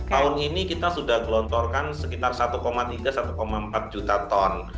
tahun ini kita sudah gelontorkan sekitar satu tiga satu empat juta ton